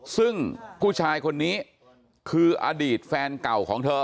ซึ่งผู้ชายคนนี้คืออดีตแฟนเก่าของเธอ